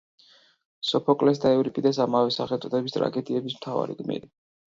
სოფოკლეს და ევრიპიდეს ამავე სახელწოდების ტრაგედიების მთავარი გმირი.